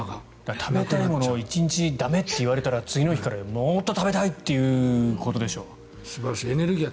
食べたいものを１日駄目って言われたら次の日からもっと食べたいってことでしょう。